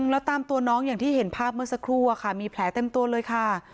แล้วตามตัวน้องอย่างที่เห็นภาพเมื่อสักครู่มีแผลเต็มตัวเลยค่ะ